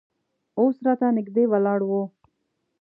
اوس راته نږدې ولاړ و.